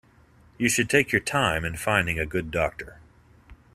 You should take your time in finding a good doctor.